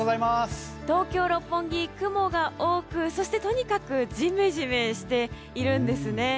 東京・六本木、雲が多くそして、とにかくジメジメしているんですね。